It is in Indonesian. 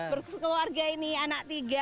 berkeluarga ini anak tiga